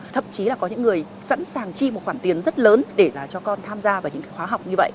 thậm chí là có những người sẵn sàng chi một khoản tiền rất lớn để cho con tham gia vào những khóa học như vậy